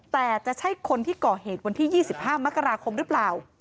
แต่จะใช่คนที่ก่อเหตุวันที่๒๕มกราคมหรือเปล่า